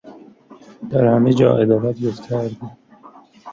درهمه جا عدالت گسترد